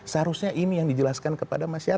seharusnya ini yang dijelaskan kepada masyarakat